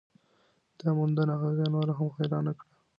دا موندنه هغې نوره هم حیرانه کړه.